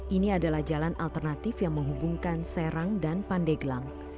ini adalah jalan alternatif yang menghubungkan serang dan pandeglang